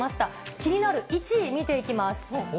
気になる１位見ていきます。